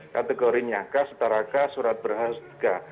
kategorinya kas setara kas surat berhasga